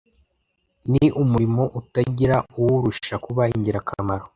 Ni umurimo utagira uwurusha kuba ingirakamaro